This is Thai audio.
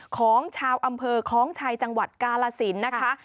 ของชาวอำเภอคล้องชัยจังหวัดกาลสินนะคะ